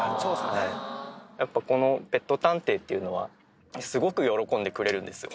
やっぱこのペット探偵っていうのは、すごく喜んでくれるんですよ。